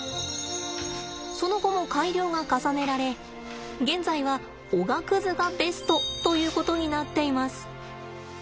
その後も改良が重ねられ現在はおがくずがベストということになっています。